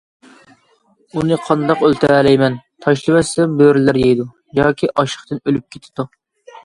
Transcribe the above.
ئۇنى قانداق ئۆلتۈرەلەيمەن؟ تاشلىۋەتسەم بۆرىلەر يەيدۇ ياكى ئاشلىقتىن ئۆلۈپ كېتىدۇ.